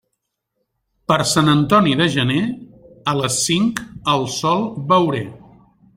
Per Sant Antoni de gener, a les cinc el sol veuré.